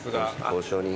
交渉人。